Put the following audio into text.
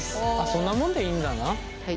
そんなもんでいいんだな。